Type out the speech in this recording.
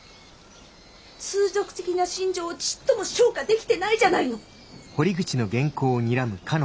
通俗的な心情をちっとも昇華できてないじゃないの！